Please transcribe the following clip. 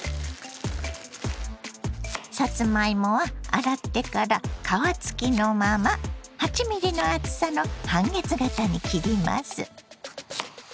さつまいもは洗ってから皮付きのまま８ｍｍの厚さの半月形に切ります。